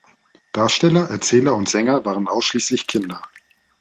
Darsteller, Erzähler und Sänger waren ausschliesslich Kinder.